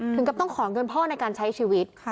ถึงกับต้องขอเงินพ่อในการใช้ชีวิต